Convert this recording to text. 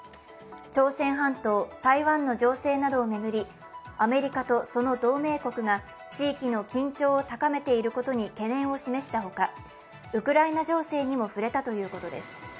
朝鮮半島、台湾の情勢などを巡り、アメリカとその同盟国が地域の緊張を高めていることに懸念を示したほか、ウクライナ情勢にも触れたということです。